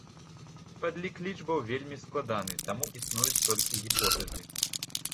Падлік лічбаў вельмі складаны, таму існуюць толькі гіпотэзы.